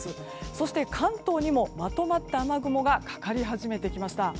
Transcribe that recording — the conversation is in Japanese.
そして、関東にもまとまった雨雲がかかり始めてきました。